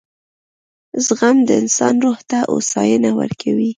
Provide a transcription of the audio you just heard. • زغم د انسان روح ته هوساینه ورکوي.